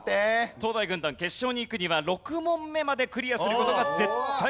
東大軍団決勝に行くには６問目までクリアする事が絶対条件です。